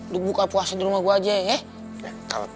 lu buka puasa di rumah gua aja ya